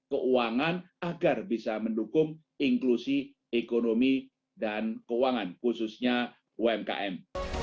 keuangan agar bisa mendukung inklusi ekonomi dan keuangan khususnya umkm